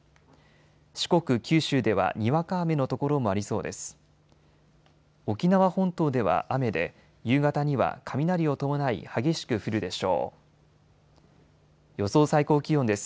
四国、九州ではにわか雨の所もありそうです。